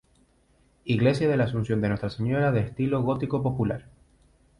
Iglesia de la Asunción de Nuestra Señora de estilo gótico popular.